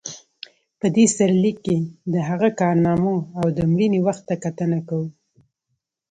په دې سرلیک کې د هغه کارنامو او د مړینې وخت ته کتنه کوو.